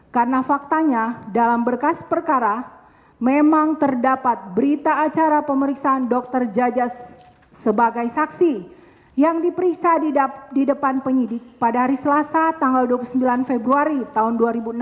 karena faktanya dalam berkas perkara memang terdapat berita acara pemeriksaan dokter jajas sebagai saksi yang diperiksa di depan penyidik pada hari selasa tanggal dua puluh sembilan februari tahun dua ribu enam belas